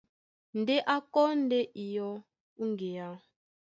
Ndé a kɔ́ ndé iyɔ́ ó ŋgeá.